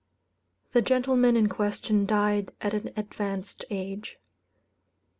The gentleman in question died at an advanced age.